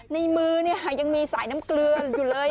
ในมือยังมีสายน้ำเกลืออยู่เลย